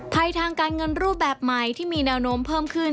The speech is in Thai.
ทางการเงินรูปแบบใหม่ที่มีแนวโน้มเพิ่มขึ้น